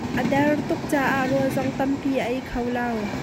A der tuk caah rawl zong tam a ei kho lo.